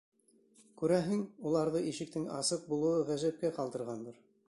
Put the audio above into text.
Күрәһең, уларҙы ишектең асыҡ булыуы ғәжәпкә ҡалдырғандыр.